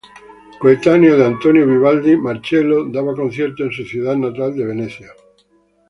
Coetáneo de Antonio Vivaldi, Marcello daba conciertos en su ciudad natal de Venecia.